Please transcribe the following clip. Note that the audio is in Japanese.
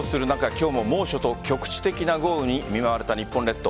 今日も猛暑と局地的な豪雨に見舞われた日本列島。